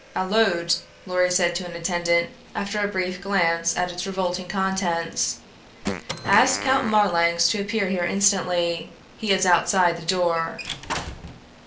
"Allode," Lorry said to an attendant, after a brief glance at its revolting contents, "ask Count Marlanx to appear here instantly. He is outside the door."